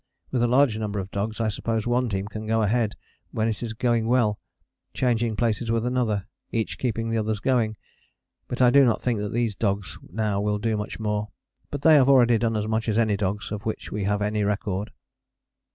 With a large number of dogs I suppose one team can go ahead when it is going well changing places with another each keeping the others going. But I do not think that these dogs now will do much more; but they have already done as much as any dogs of which we have any record.